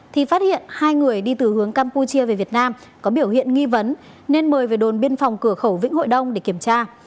thì phát hiện hai người đi từ hướng campuchia về việt nam có biểu hiện nghi vấn nên mời về đồn biên phòng cửa khẩu vĩnh hội đông để kiểm tra